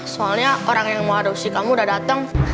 soalnya orang yang mau adopsi kamu udah datang